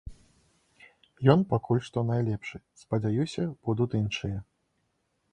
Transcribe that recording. Ён пакуль што найлепшы, спадзяюся, будуць іншыя.